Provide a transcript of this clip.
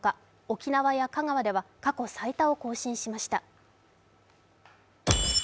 沖縄や香川では過去最多を更新しました。